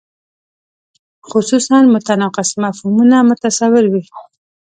خصوصاً متناقض مفهومونه متصور وي.